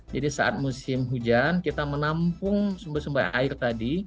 jadi saat musim hujan kita menampung sumber sumber air tadi